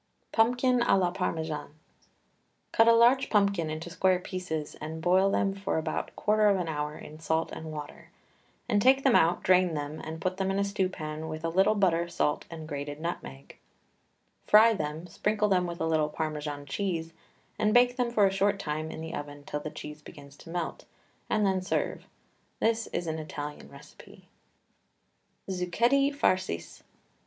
PUMPKIN A LA PARMESANE. Cut a large pumpkin into square pieces and boil them for about a quarter of an hour in salt and water, and take them out, drain them, and put them in a stew pan with a little butter, salt, and grated nutmeg; fry them, sprinkle them with a little Parmesan cheese, and bake them for a short time in the oven till the cheese begins to melt, and then serve. This is an Italian recipe. ZUCCHETTI FARCIS.